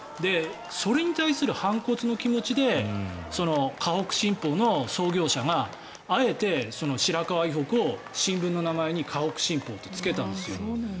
それに対する反骨の気持ちで河北新報の創業者があえて白河以北を新聞の名前に河北新報ってつけたんですよ。